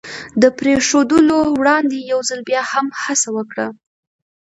د پرېښودلو وړاندې یو ځل بیا هم هڅه وکړه.